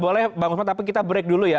boleh bang usman tapi kita break dulu ya